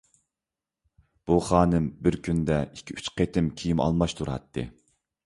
بۇ خانىم بىر كۈندە ئىككى-ئۈچ قېتىم كىيىم ئالماشتۇراتتى.